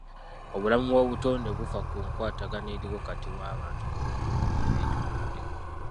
Obulamu bw'obutonde bufa ku nkwatagana eriwo wakati w'abantu n'obutonde obubeetoolodde.